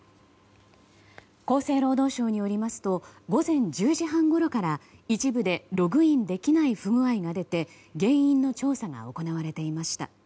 厚生労働省によりますと午前１０時半ごろから一部でログインできない不具合が出て原因の調査が行われていました。